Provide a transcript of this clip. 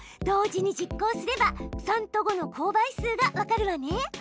同時に実行すれば３と５の公倍数が分かるわね！